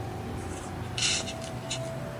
Julia aparece entonces como la asesina por venganza.